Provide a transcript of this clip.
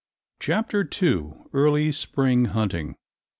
CHAPTER II. EARLY SPRING HUNTING.